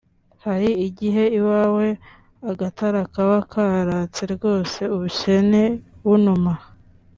Hari ighe iwawe agatara kaba karatse rwose (ubukene bunuma)